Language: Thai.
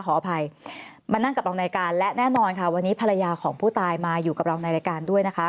ขออภัยมานั่งกับเรารายการและแน่นอนค่ะวันนี้ภรรยาของผู้ตายมาอยู่กับเราในรายการด้วยนะคะ